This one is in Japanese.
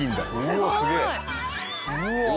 うわっすげえ！